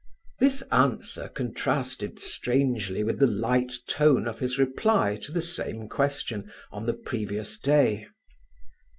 This answer contrasted strangely with the light tone of his reply to the same question on the previous day.